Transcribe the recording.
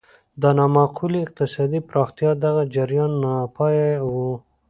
د نامعقولې اقتصادي پراختیا دغه جریان ناپایه و.